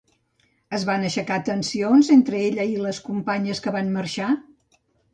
Es van aixecar tensions entre ella i les companyes que van marxar?